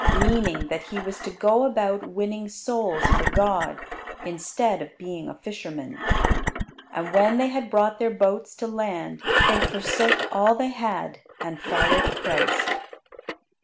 Meaning that he was to go about winning souls for God, instead of being a fisherman. And when they had brought their boats to land, they forsook all they had and followed Christ.